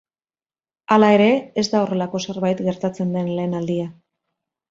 Hala ere, ez da horrelako zerbait gertatzen den lehen aldia.